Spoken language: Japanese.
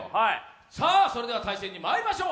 さあそれでは対戦にまいりましょう。